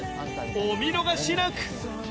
お見逃しなく！